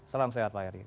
salam sehat pak heri